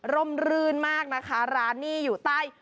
รื่นมากนะคะร้านนี้อยู่ใต้